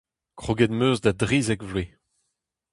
Kroget 'm eus da drizek vloaz.